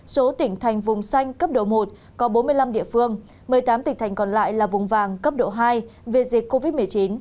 số tỉnh thành vùng xanh cấp độ một có bốn mươi năm địa phương một mươi tám tỉnh thành còn lại là vùng vàng cấp độ hai về dịch covid một mươi chín